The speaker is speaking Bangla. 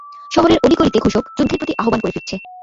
শহরের অলি-গলিতে ঘোষক যুদ্ধের প্রতি আহবান করে ফিরছে।